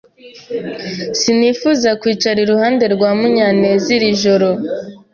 sinifuza kwicara iruhande rwa Munyaneziri joro.